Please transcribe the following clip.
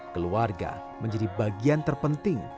keluarga menjadi bagian terpenting